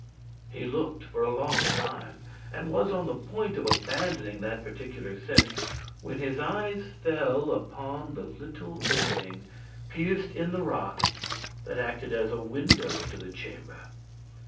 He looked for a long time and was on the point of abandoning that particular scent when his eyes fell upon the little opening, pierced in the rock, that acted as a window to the chamber.